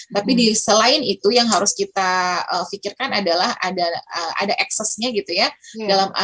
tapi selain itu yang harus kita pikirkan adalah ada eksesnya gitu ya